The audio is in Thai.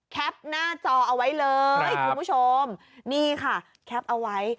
หน้าจอเอาไว้เลยคุณผู้ชมนี่ค่ะแคปเอาไว้